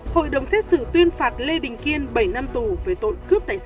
hội đồng xét xử tuyên phạt lê đình kiên bảy năm tù về tội cướp tài sản